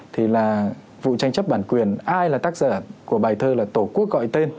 thì là vụ tranh chấp bản quyền ai là tác giả của bài thơ là tổ quốc gọi tên